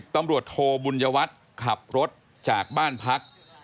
ตำรวจโทบุญยวัตรขับรถจากบ้านพัก